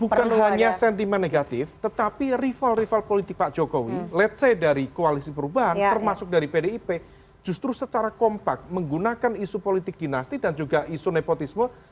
bukan hanya sentimen negatif tetapi rival rival politik pak jokowi ⁇ lets ⁇ say dari koalisi perubahan termasuk dari pdip justru secara kompak menggunakan isu politik dinasti dan juga isu nepotisme